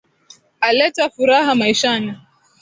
Aleta furaha maishani.